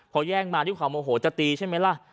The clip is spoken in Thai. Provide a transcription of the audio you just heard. พอแย่งมาที่เขาโมโหจะตีใช่ไหมล่ะ